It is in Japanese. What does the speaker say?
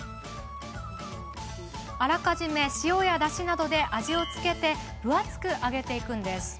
あらかじめ塩や、だしなどで味を付けて分厚く揚げていきます。